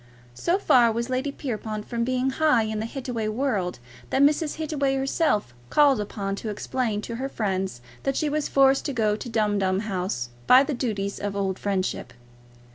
So far was Lady Pierrepoint from being high in the Hittaway world, that Mrs. Hittaway felt herself called upon to explain to her friends that she was forced to go to Dumdum House by the duties of old friendship.